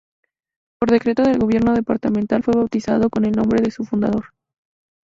Por decreto del Gobierno Departamental fue bautizado con el nombre de su fundador.